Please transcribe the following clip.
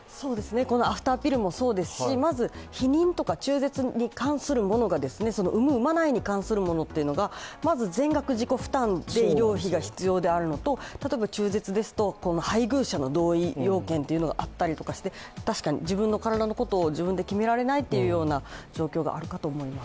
アフターピルもそうですし、まず避妊とか中絶に関するものが産む産まないに関するものというのがまず全額自己負担で医療費が必要であるのと例えば中絶ですと配偶者の同意要件があったりして、確かに自分の体のことを自分で決められないという状況があると思います。